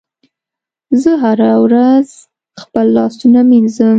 زه هره ورځ خپل لاسونه مینځم.